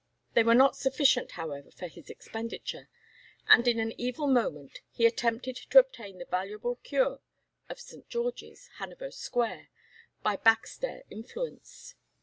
They were not sufficient, however, for his expenditure, and in an evil moment he attempted to obtain the valuable cure of St. George's, Hanover Square, by back stair influence.